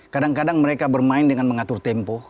kadang kadang mereka bermain dengan mengatur tempo